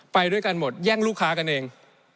ไปด้วยกันหมดแย่งลูกค้ากันเอง